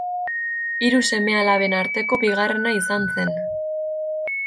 Hiru seme-alaben arteko bigarrena izan zen.